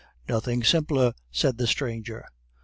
"Nothing simpler," said the stranger.